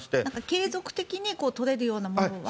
継続的に取れるようなものは。